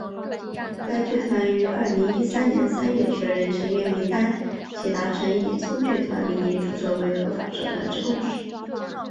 该剧团于二零一三年三月确认成员名单及达成以冲剧团名义注册为合法社团之共识。